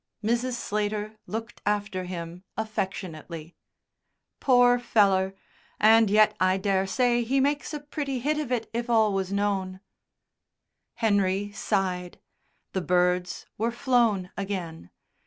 Mrs. Slater looked after him affectionately. "Pore feller; and yet I dare say he makes a pretty hit of it if all was known." Henry sighed. The birds were flown again.